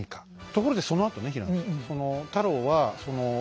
ところでそのあとね平野さん。